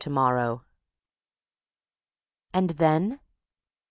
to morrow." "And then?"